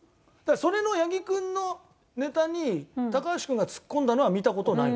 「それの八木君のネタに高橋君がツッコんだのは見た事ないんです」